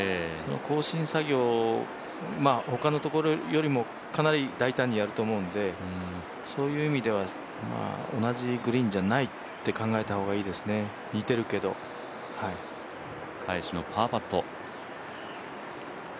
更新作業、他のところよりもかなり大胆にやると思うのでそういう意味では同じグリーンじゃないと考えた方がいいですね、似てるけど返しのパーパット。